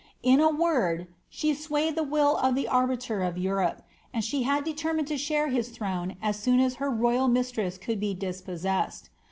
In a word, she swayed the will of the arbiter of Europe, and she had determined to share his throne as soon as her royal mistress could be dispossessed.